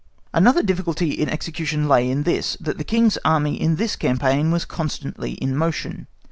Again, another difficulty in execution lay in this, that the King's Army in this campaign was constantly in motion.